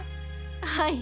はい。